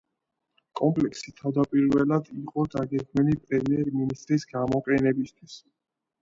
კომპლექსი თავდაპირველად იყო დაგეგმილი პრემიერ-მინისტრის გამოყენებისთვის.